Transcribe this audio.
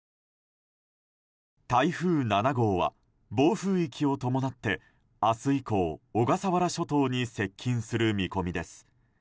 台風７号は暴風域を伴って明日以降小笠原諸島に接近する見込みです。